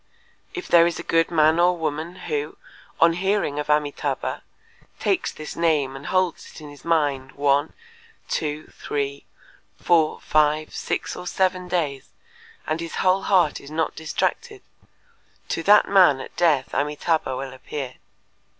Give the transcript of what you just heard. If there is a good man or woman who, on hearing of Amitâbha, takes this name and holds it in his mind one, two, three, four, five, six, or seven days, and his whole heart is not distracted, to that man at death Amitâbha will appear.